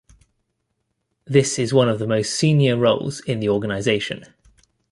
This is one of the most senior roles in the organisation.